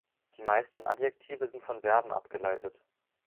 Die meisten Adjektive sind von Verben abgeleitet.